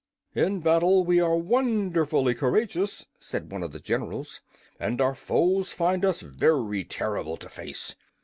"In battle we are wonderfully courageous," said one of the generals, "and our foes find us very terrible to face.